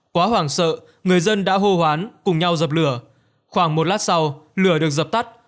quá hoảng sợ người dân đã hô hoán cùng nhau dập lửa khoảng một lát sau lửa được dập tắt